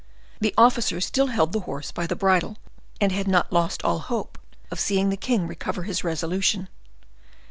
The officer still held the horse by the bridle, and had not lost all hope of seeing the king recover his resolution.